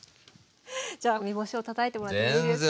じゃあ梅干しをたたいてもらっていいですか？